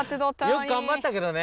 よくがんばったけどね。